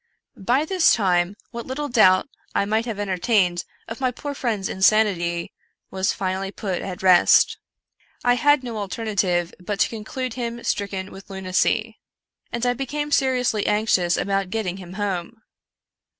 By this time what little doubt I might have entertained of my poor friend's insanity was put finally at rest. I had no alternative but to conclude him stricken with lunacy, and I became seriously anxious about getting him home.